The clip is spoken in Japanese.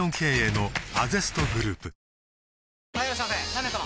何名様？